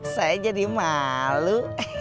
saya jadi malu